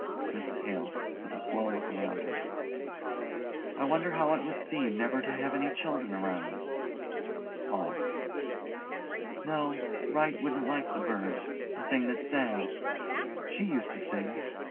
MRS HALE: (with a slow look around her) I wonder how it would seem never to have had any children around, No, Wright wouldn't like the bird a thing that sang. She used to sing.